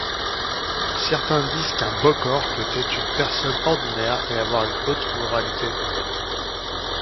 Certains disent qu'un bokor peut être une personne ordinaire et avoir une haute moralité.